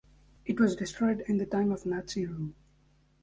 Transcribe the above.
It was destroyed in the time of Nazi rule.